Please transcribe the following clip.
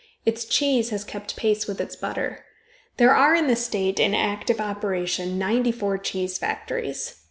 Its cheese has kept pace with its butter. There are in the state, in active operation, ninety four cheese factories.